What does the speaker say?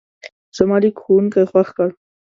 زما لیک ښوونکی خوښ کړ.